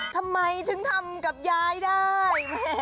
ทำไมถึงทำกับยายได้